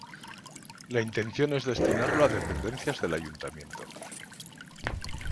La intención es destinarlo a dependencias del Ayuntamiento.